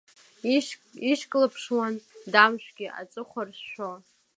Ишьклаԥшуан Дамшәгьы, Аҵыхәа рышәшәо!